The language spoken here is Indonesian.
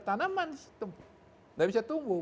tanaman tidak bisa tumbuh